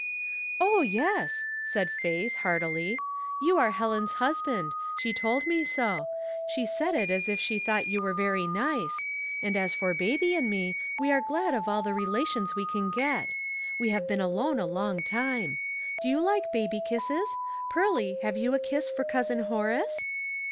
*' Oh, yes," said Faith, heartily. " You are Helen's husband ; she told me so ; she said it as if she thought you were very nice ; and as foi baby and me, we are glad of all the relations wc can get ; we have been alone a long time. Dc you like baby kisses? Pearly, have you a kisi for Cousin Horace